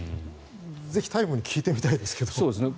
ぜひ、「タイム」に聞いてみたいですけど。